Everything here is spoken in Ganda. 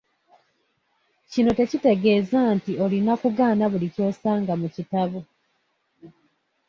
Kino tekitegeeza nti olina kugaana buli ky'osanga mu kitabo.